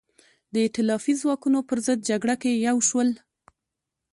د ایتلافي ځواکونو پر ضد جګړه کې یو شول.